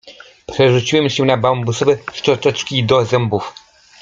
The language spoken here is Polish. Przerzuciłam się na bambusowe szczoteczki do zębów.